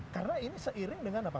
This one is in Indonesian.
karena ini seiring dengan apa